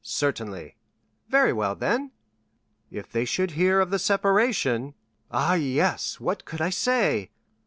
"Certainly." "Very well, then." "If they should hear of the separation——" "Ah, yes; what could I say?"